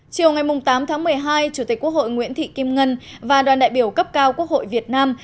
chiều ngày tám tháng một mươi hai chủ tịch quốc hội nguyễn thị kim ngân và đoàn đại biểu cấp cao quốc hội việt nam